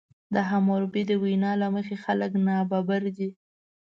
د حموربي د وینا له مخې خلک نابرابر دي.